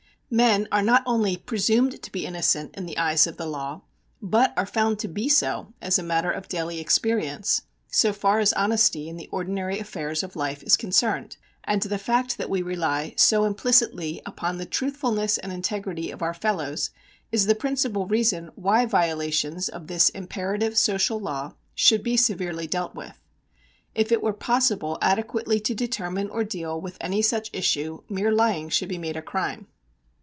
Men are not only "presumed to be innocent" in the eyes of the law, but are found to be so, as a matter of daily experience, so far as honesty in the ordinary affairs of life is concerned, and the fact that we rely so implicitly upon the truthfulness and integrity of our fellows is the principal reason why violations of this imperative social law should be severely dealt with. If it were possible adequately to determine or deal with any such issue mere lying should be made a crime.